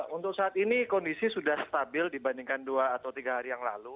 untuk saat ini kondisi sudah stabil dibandingkan dua atau tiga hari yang lalu